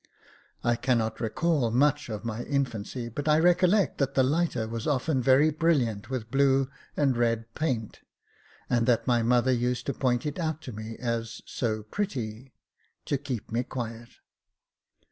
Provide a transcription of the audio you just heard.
I cannot recall much of my infancy ; but I recollect that the lighter was often very briUiant with blue and red paint, and that my mother used to point it out to me as " so pretty," to keep me quiet.